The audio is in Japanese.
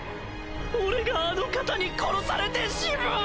俺があの方に殺されてしまう！